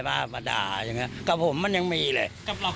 กับเราก็ยังเคยโดนมันด่า